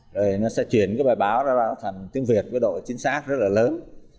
rồi nó sẽ chuyển cái bài báo ra báo thành tiếng việt với độ chính xác rất là lớn